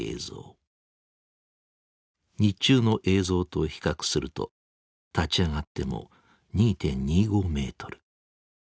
日中の映像と比較すると立ち上がっても２．２５メートル。